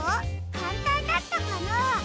かんたんだったかな？